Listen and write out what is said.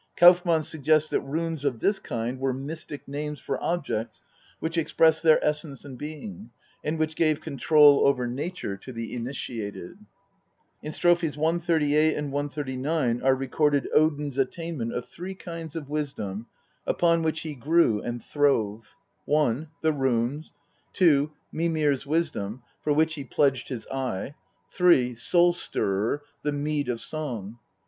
Kauffmann suggests that runes of this kind were mystic names for objects which expressed their essence and being, and which gave con trol over nature to the initiated. In strophes 138, 139, are recorded Odin's attainment of three kinds of wisdom upon which he grew and throve: I, the runes; 2, Mimir's wisdom, for which he pledged his eye ; 3, Soul stirrer, the mead of song.